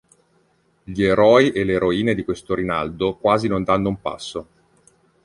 Gli eroi e le eroine di questo "Rinaldo" quasi non danno un passo.